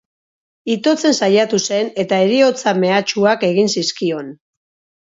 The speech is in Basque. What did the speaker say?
Itotzen saiatu zen eta heriotza-mehatxuak egin zizkion.